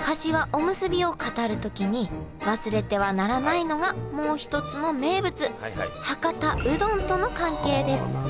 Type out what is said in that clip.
かしわおむすびを語る時に忘れてはならないのがもう一つの名物博多うどんとの関係です。